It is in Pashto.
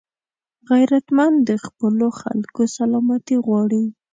غیرتمند د خپلو خلکو سلامتي غواړي